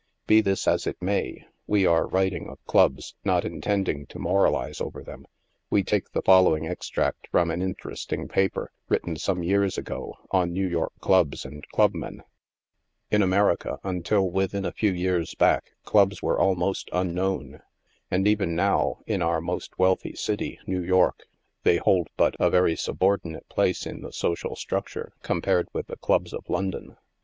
Be this as it may, we are writing of clubs, not intending to moralize over them — we take the following extract from an interest ing paper, written some years ago, on New York Clubs and Club men: " In America, until within a few years back, clubs were almost unknown ; and even now, in our most wealthy city, New York, they hold but a very subordinate place in the social structure, compared with the club3 of London.